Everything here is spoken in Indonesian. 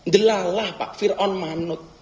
jelallah pak fir aun manut